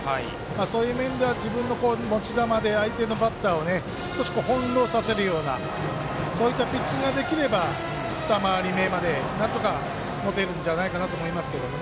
そういう意味では自分の持ち球で相手のバッターを少し翻弄させるようなそういったピッチングができれば２回り目までなんとか持てるんじゃないかなと思います。